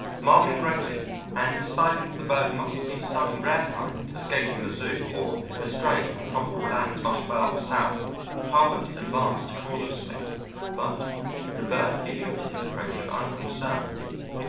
Marveling greatly, and deciding that the bird must be some rare kind escaped from a zoo, or a stray from tropical lands much further south, Talbot advanced cautiously, but the bird viewed his approach with unconcern.